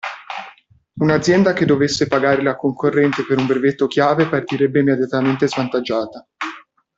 Un'azienda che dovesse pagare la concorrente per un brevetto chiave partirebbe immediatamente svantaggiata.